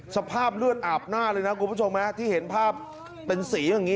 สภาพเลือดอาบหน้าเลยนะคุณผู้ชมที่เห็นภาพเป็นสีอย่างนี้